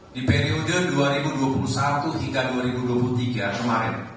di periode dua ribu dua puluh satu hingga dua ribu dua puluh tiga kemarin